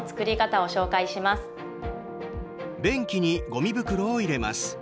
便器にごみ袋を入れます。